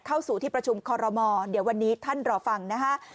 เข้าสู่ที่ประชุมคอรมอเดี๋ยววันนี้ท่านรอฟังนะฮะ